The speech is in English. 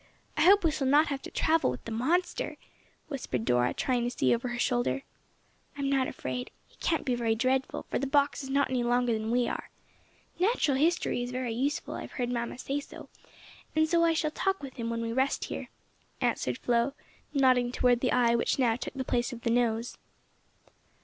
I hope we shall not have to travel with the monster," whispered Dora, trying to see over her shoulder. "I'm not afraid. He can't be very dreadful, for the box is not any longer than we are. Natural history is very useful; I've heard mamma say so, and I shall talk with him while we rest here," answered Flo, nodding toward the eye which now took the place of the nose.